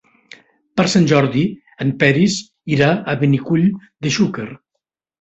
Per Sant Jordi en Peris irà a Benicull de Xúquer.